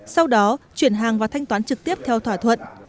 sau đó chuyển hàng và thanh toán trực tiếp theo thỏa thuận